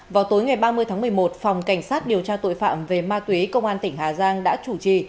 vào tối ngày ba mươi tháng một mươi một phòng cảnh sát điều tra tội phạm về ma túy công an tỉnh hà giang đã chủ trì